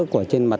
của trên mặt